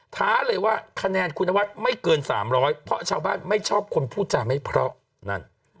ท้าเลยว่าคะแนนคุณนวัดไม่เกิน๓๐๐เพราะชาวบ้านไม่ชอบคนพูดจาไม่เพราะนั่น